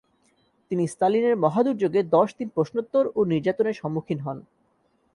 তিনি স্তালিনের মহাদুর্যোগে দশ দিন প্রশ্নোত্তর ও নির্যাতনের সম্মুখীন হন।